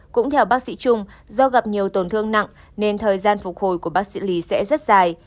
cũng theo bác sĩ trung do gặp nhiều tổn thương nặng nên thời gian phục hồi của bác sĩ lý sẽ rất dài